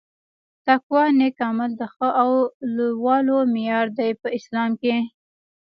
تقوا نيک عمل د ښه او لووالي معیار دي په اسلام کي